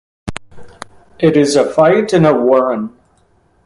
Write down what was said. It is a fight in a warren.